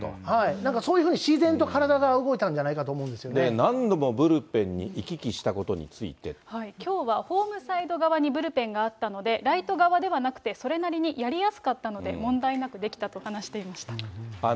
なんかそういうふうに自然と体が動いたんじゃないかと思うん何度もブルペンに行き来したきょうはホームサイド側にブルペンがあったので、ライト側ではなくてそれなりにやりやすかったので問題なくできたと話していました。